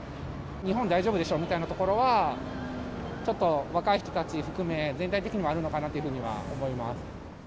日本は大丈夫でしょみたいなところは、ちょっと若い人たち含め、全体的にもあるのかなというふうには思います。